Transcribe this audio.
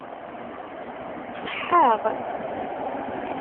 Ṣeḥḥaɣ.